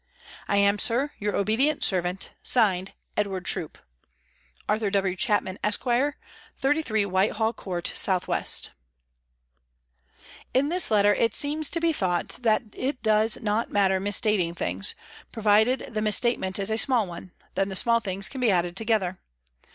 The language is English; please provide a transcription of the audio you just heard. " I am, sir, " Your obedient servant, " (Signed) EDWARD TEOUP." " ARTHUR W. CHAPMAN, ESQ., " 33, Whitehall Court, S.W." THE HOME OFFICE 305 In this letter it seems to be thought that it does not matter mis stating things, provided the mis statement is a small one, then the small things can be added together.